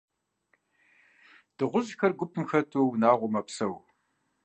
Дыгъужьхэр гупым хэту, унагъуэу мэпсэу.